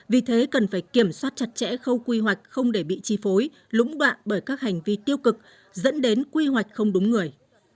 vì thế cần phải kiểm soát chặt chẽ khâu quy hoạch không để bị chi phối lũng đoạn bởi các hành vi tiêu cực dẫn đến quy hoạch không đúng người